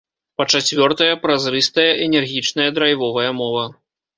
Па-чацвёртае, празрыстая, энергічная, драйвовая мова.